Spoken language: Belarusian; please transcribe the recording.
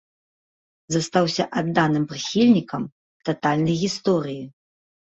Застаўся адданым прыхільнікам татальнай гісторыі.